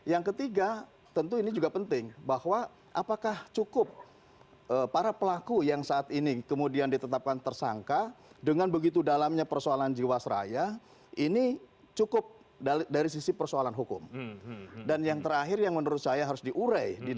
atau penyelamatan ada holdingisasi